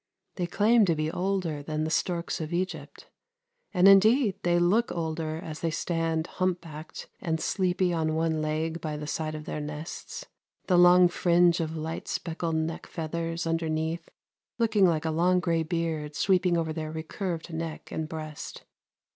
They claim to be older than the storks of Egypt, and indeed, they look older as they stand humpbacked and sleepy on one leg by the side of their nests, the long fringe of light speckled neck feathers underneath looking like a long gray beard sweeping over their recurved neck and breast.